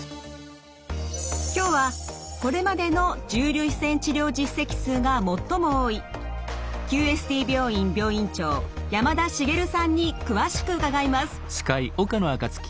今日はこれまでの重粒子線治療実績数が最も多いＱＳＴ病院病院長山田滋さんに詳しく伺います。